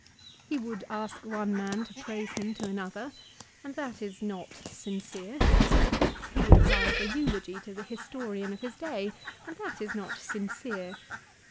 He would ask one man to praise him to another, and that is not sincere. He would apply for eulogy to the historian of his day, and that is not sincere.